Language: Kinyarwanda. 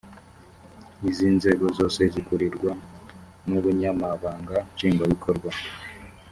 izi nzego zose zikurirwa n’ ubunyamabanga nshingwabikorwa .